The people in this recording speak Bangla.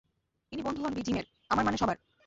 ইনি বন্ধু হোন জিমের, আমার মানে সবার।